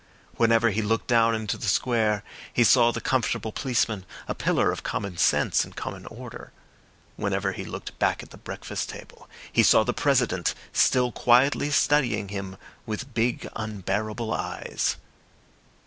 Whenever he looked down into the square he saw the comfortable policeman, a pillar of common sense and common order. Whenever he looked back at the breakfast table he saw the President still quietly studying him with big, unbearable eyes.